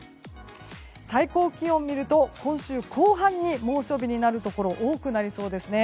最高気温を見ると今週後半に猛暑日になるところが多くなりそうですね。